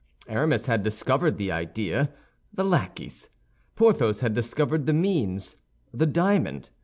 Aramis had discovered the idea, the lackeys. Porthos had discovered the means, the diamond.